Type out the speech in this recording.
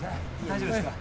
大丈夫ですか？